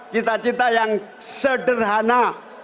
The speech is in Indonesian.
cita cita yang sederhana